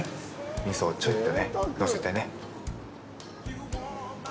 味噌をちょいとね、のせてね。